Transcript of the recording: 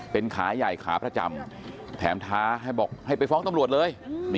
เป็นขาใหญ่ขาประจำแถมท้าให้บอกให้ไปฟ้องตำรวจเลย